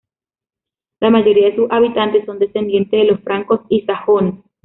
La mayoría de sus habitantes son descendientes de los francos y sajones.